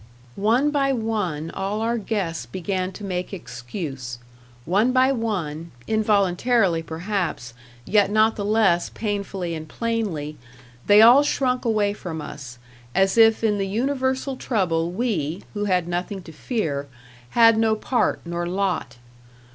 One by one all our guests began to make excuse. One by one, involuntarily perhaps, yet not the less painfully and plainly, they all shrunk away from us, as if in the universal trouble we, who had nothing to fear, had no part nor lot.